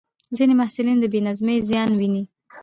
ځینې محصلین د بې نظمۍ زیان ویني.